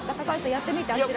やってみて。